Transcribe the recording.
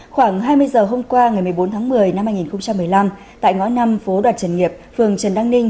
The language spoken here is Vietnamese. khoảng hai mươi giờ hôm qua ngày một mươi bốn tháng một mươi năm hai nghìn một mươi năm tại ngõ năm phố đoạt trần nghiệp phường trần đăng ninh